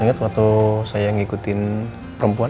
ingat waktu saya ngikutin perempuan